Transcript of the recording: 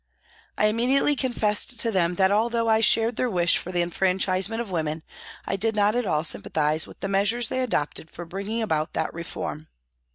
I immediately confessed to them that although I shared their wish for the enfranchisement of women, I did not at all sympathise with the measures they adopted for bringing about that reform.